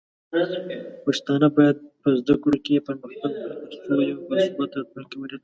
پښتانه بايد په زده کړو کې پرمختګ وکړي، ترڅو یو باثباته راتلونکی ولري.